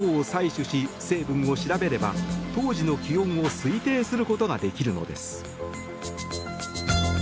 つまり、深い氷の層を採取し成分を調べれば当時の気温を推定することができるのです。